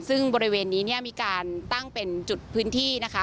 ซึ่งบริเวณนี้มีการตั้งเป็นจุดพื้นที่